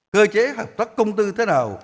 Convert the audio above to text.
cơ chế hợp tác công tư thế nào